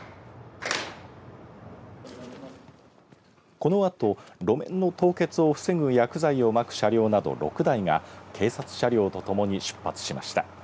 このあと、路面の凍結を防ぐ薬剤をまく車両など６台が警察車両とともに出発しました。